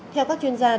theo các chuyên gia